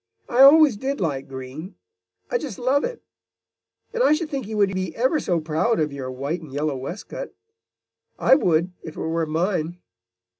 "I always did like green. I just love it! And I should think you would be ever so proud of your white and yellow waistcoat. I would if it were mine.